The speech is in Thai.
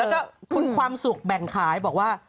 แล้วก็คุณความสุขแบ่งขายบอกว่า